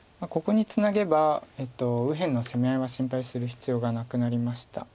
ここにツナげば右辺の攻め合いは心配する必要がなくなりました。